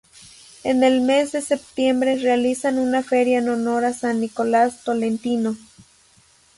En el mes de septiembre realizan una feria en honor a San Nicolás Tolentino.